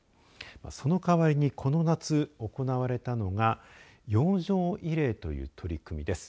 その代わりにこの夏、行われたのが洋上慰霊という取り組みです。